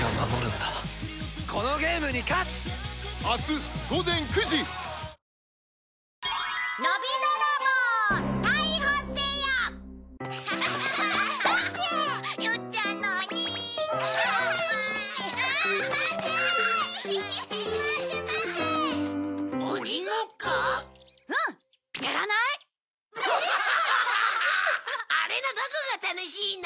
あれのどこが楽しいの？